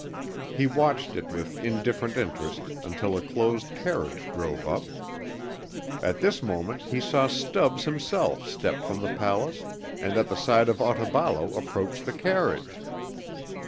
He watched it with indifferent interest until a closed carriage drove up. At this moment he saw Stubbs himself step from the palace and at the side of Otaballo approach the carriage.